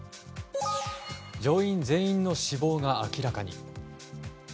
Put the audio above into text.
乗員全員の死亡が明らかに。